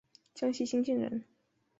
江西新建人。